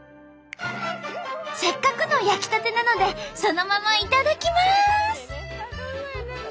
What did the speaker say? せっかくの焼きたてなのでそのまま頂きます！